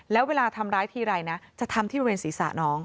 แล้วเวลาทำร้ายทีไรนะจะทำที่บริเวณศีรษะน้อง